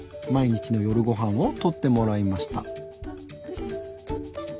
毎日の夜ごはんを撮ってもらいました。